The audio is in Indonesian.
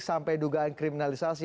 sampai dugaan kriminalisasi